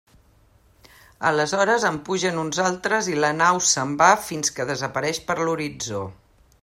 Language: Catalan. Aleshores en pugen uns altres i la nau se'n va fins que desapareix per l'horitzó.